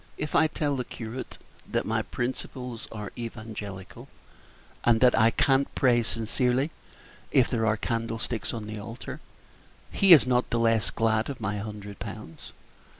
If I tell the curate that my principles are evangelical, Page 38 and that I can't pray sincerely if there are candlesticks on the altar, he is not the less glad of my hundred pounds.